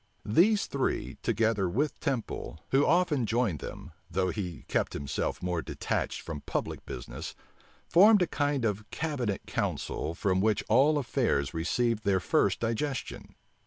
These three, together with Temple, who often joined them, though he kept himself more detached from public business, formed a kind of cabinet council, from which all affairs received their first digestion.